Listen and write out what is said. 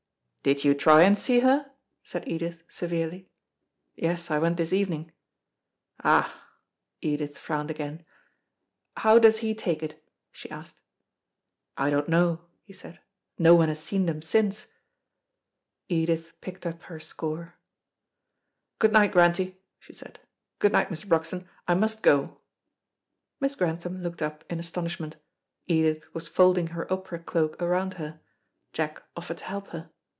"Did you try and see her?" said Edith severely. "Yes, I went this evening." "Ah!" Edith frowned again. "How does he take it?" she asked. "I don't know," he said; "no one has seen them since." Edith picked up her score. "Good night, Grantie," she said. "Good night, Mr. Broxton. I must go." Miss Grantham looked up in astonishment. Edith was folding her opera cloak round her. Jack offered to help her.